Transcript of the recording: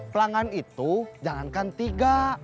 pelanggan itu jangankan tiga